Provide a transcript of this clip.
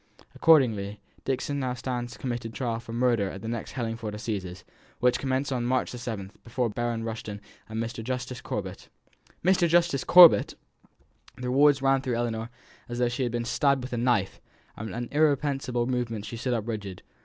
Accordingly, Dixon now stands committed for trial for murder at the next Hellingford Assizes, which commence on March the seventh, before Baron Rushton and Mr. Justice Corbet." "Mr. Justice Corbet!" The words ran through Ellinor as though she had been stabbed with a knife, and by an irrepressible movement she stood up rigid.